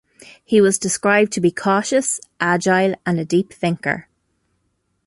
He was described to be cautious, agile, and a deep thinker.